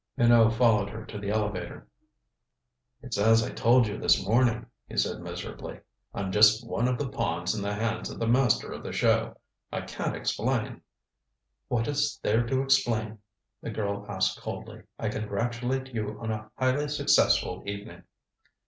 Minot followed her to the elevator. "It's as I told you this morning," he said miserably. "I'm just one of the pawns in the hands of the Master of the Show. I can't explain " "What is there to explain?" the girl asked coldly. "I congratulate you on a highly successful evening."